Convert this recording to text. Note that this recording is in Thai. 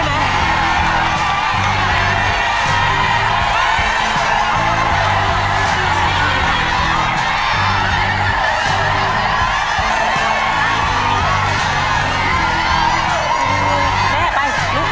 แบบเดียวใช่ไหม